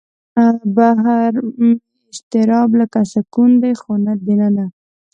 بهر مې اضطراب لکه سکون دی خو دننه